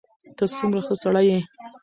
ته څومره ښه سړی یې.